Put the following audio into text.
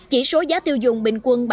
chỉ số giá tiêu dùng bình quân bảy sáu